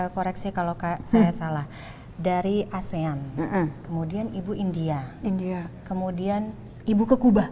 koreksi kalau saya salah dari asean kemudian ibu india india kemudian ibu ke kuba